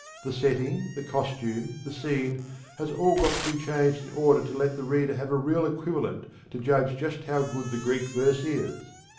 The setting, the costume, the scene has all got to be changed in order to let the reader have a real equivalent to judge just how good the Greek verse is.